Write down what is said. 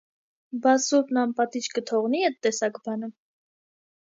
բա սուրբն անպատիժ կթողնի՞ էդ տեսակ բանը: